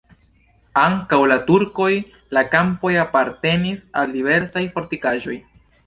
Antaŭ la turkoj la kampoj apartenis al diversaj fortikaĵoj.